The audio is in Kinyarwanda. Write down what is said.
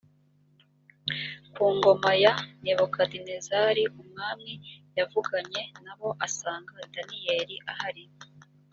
ku ngoma ya nebukadinezari umwami yavuganye na bo asanga daniyeli ahari